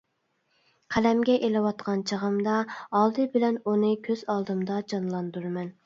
قەلەمگە ئېلىۋاتقان چېغىمدا، ئالدى بىلەن ئۇنى كۆز ئالدىمدا جانلاندۇرىمەن.